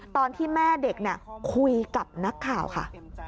ตอนที่แม่เด็กคุยกับนักข่าวค่ะ